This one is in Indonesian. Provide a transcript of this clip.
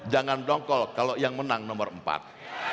jangan dongkol kalau yang menang nomor empat